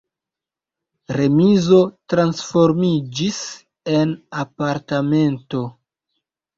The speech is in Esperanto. Remizo transformiĝis en apartamenton.